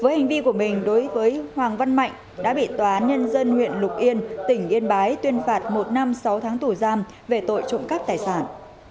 với hành vi của mình đối với hoàng văn mạnh đã bị tòa án nhân dân huyện lục yên tỉnh yên bái tuyên phạt một năm sáu tháng tù giam về tội trộm cắp tài sản